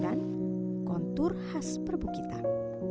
dan turunan kontur khas perbukitan